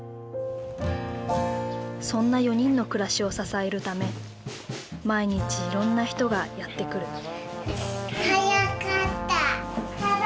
そんな４人の暮らしを支えるため毎日いろんな人がやって来る。